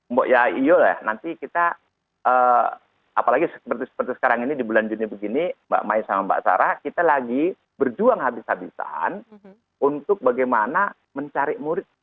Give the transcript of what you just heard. mbok ya iya lah nanti kita apalagi seperti sekarang ini di bulan juni begini mbak mai sama mbak sarah kita lagi berjuang habis habisan untuk bagaimana mencari murid